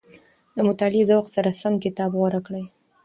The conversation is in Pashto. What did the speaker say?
د مطالعې ذوق سره سم کتاب غوره کړئ.